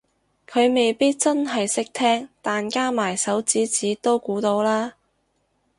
佢未必真係識聽但加埋手指指都估到啦